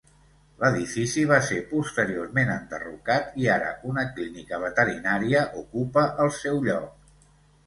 L'edifici va ser posteriorment enderrocat i ara una clínica veterinària ocupa el seu lloc.